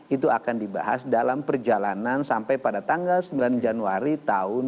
itu akan dibahas dalam perjalanan sampai pada tanggal sembilan januari tahun dua ribu dua puluh